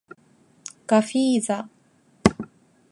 ガフィーザ